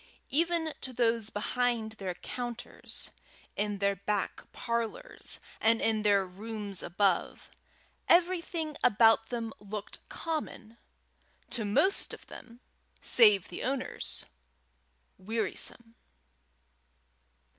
Even to those behind their counters, in their back parlours, and in their rooms above, everything about them looked common to most of them, save the owners, wearisome.